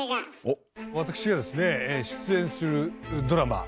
私がですね出演するドラマ